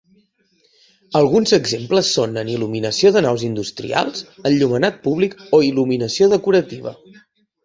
Alguns exemples són en il·luminació de naus industrials, enllumenat públic o il·luminació decorativa.